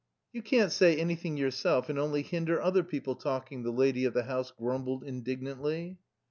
"You can't say anything yourself, and only hinder other people talking," the lady of the house grumbled indignantly.